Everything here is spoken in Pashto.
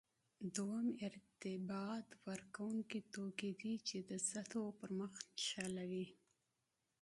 دویم ارتباط ورکوونکي توکي دي چې د سطحو پرمخ نښلوي.